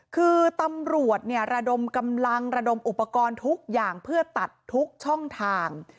คือตำรวจระดมกำลังระดมอุปกรณ์ทุกอย่างเพื่อตัดทุกช่องทาง